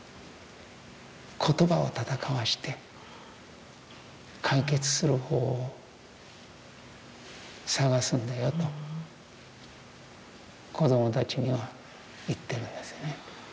言葉を戦わして解決する方法を探すんだよと子供たちには言ってるんですね。